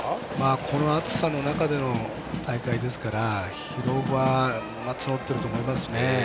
この暑さの中での大会ですから疲労はつもっていると思います。